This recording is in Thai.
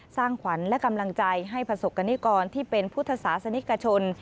สร้างขวัญและกำลังใจให้ประสบกรณิกรที่เป็นพุทธศาสนิกชน